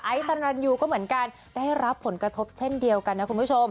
ตรันยูก็เหมือนกันได้รับผลกระทบเช่นเดียวกันนะคุณผู้ชม